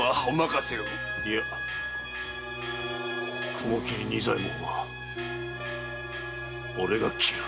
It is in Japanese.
雲切仁左衛門は俺が斬る。